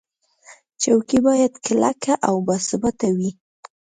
چوکۍ باید کلکه او باثباته وي.